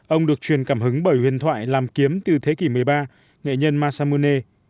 ông được truyền cảm hứng bởi huyền thoại làm kiếm từ thế kỷ một mươi ba nghệ nhân masamune